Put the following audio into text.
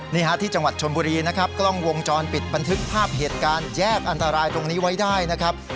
นี่ฮะที่จังหวัดชนบุรีนะครับกล้องวงจรปิดบันทึกภาพเหตุการณ์แยกอันตรายตรงนี้ไว้ได้นะครับ